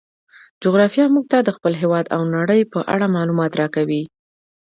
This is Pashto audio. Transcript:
جغرافیه موږ ته د خپل هیواد او نړۍ په اړه معلومات راکوي.